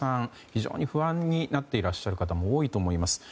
非常に不安になっていらっしゃる方も多いと思います。